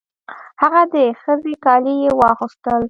هغه د ښځې کالي یې واغوستل.